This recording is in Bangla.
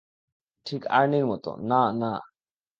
ঠিক আর্নির মতো, না, না!